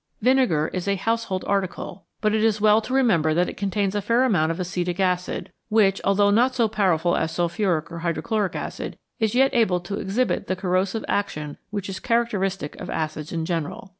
Vinegar is a household article, but it is well to 82 z ' E ~ .sJ3 2 a V ACIDS AND ALKALIS remember that it contains a fair quantity of acetic acid, which, although not so powerful as sulphuric or hydro chloric acid, is yet able to exhibit the corrosive action which is characteristic of acids in general.